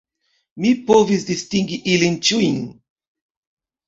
Mi povis distingi ilin ĉiujn.